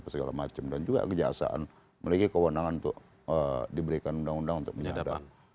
berkaitan dengan teroris dan juga kejaksaan memiliki kewenangan untuk diberikan undang undang untuk menyadap